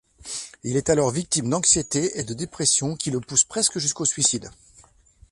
Il est alors victime d'anxiété et de dépression, qui le poussent presque jusqu'au suicide.